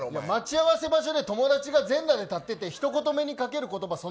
待ち合わせ場所で友達が全裸で立っててひと言目にかける言葉